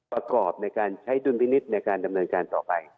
ประกอบในการใช้ดุลพินิษฐ์ในการดำเนินการต่อไป